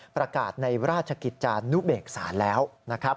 ประกาศในราชกิจจานุเบกษาแล้วนะครับ